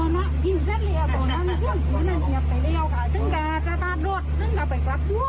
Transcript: พวกเราบ้านสี่หลานสามนะคะ